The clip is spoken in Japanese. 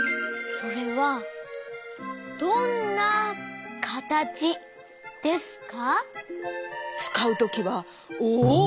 それはどんなはたらきですか？